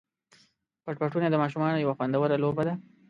پټ پټوني د ماشومانو یوه خوندوره لوبه ده.